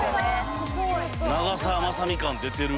長澤まさみ感出てる。